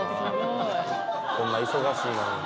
「こんな忙しいのに」